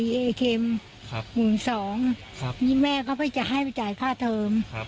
๓๒บาทแม่เขาจะให้ไปจ่ายค่าเทอม